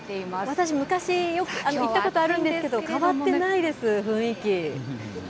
私、昔行ったことあるんですけど、変わってないです、雰囲気。